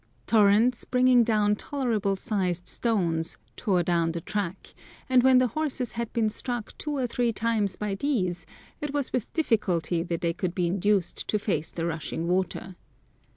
Torrents, bringing tolerable sized stones, tore down the track, and when the horses had been struck two or three times by these, it was with difficulty that they could be induced to face the rushing water.